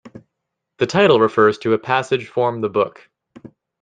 The title refers to a passage form the book.